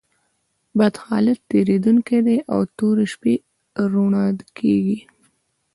بد حالت تېرېدونکى دئ او توري شپې رؤڼا کېږي.